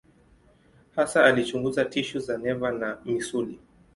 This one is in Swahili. Hasa alichunguza tishu za neva na misuli.